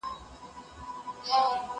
که وخت وي، ښوونځی ته ځم؟